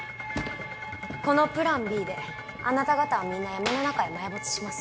このプランＢであなた方はみんな闇の中へ埋没します。